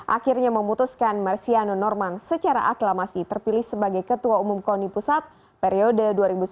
akhirnya memutuskan marsiano norman secara aklamasi terpilih sebagai ketua umum koni pusat periode dua ribu sembilan belas dua ribu